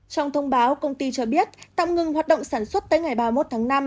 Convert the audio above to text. trong thông báo công ty cho biết tạm ngừng hoạt động sản xuất tới ngày ba mươi một tháng năm